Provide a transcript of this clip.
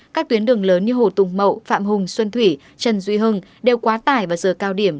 các tuyến đường lớn như hồ tùng mậu phạm hùng xuân thủy trần duy hưng đều quá tải vào giờ cao điểm